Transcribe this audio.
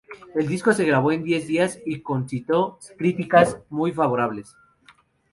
El disco se grabó en diez días y concitó críticas muy favorables.